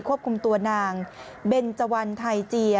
ควบคุมตัวนางเบนเจวันไทยเจีย